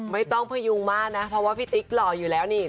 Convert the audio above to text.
พยุงมากนะเพราะว่าพี่ติ๊กหล่ออยู่แล้วนี่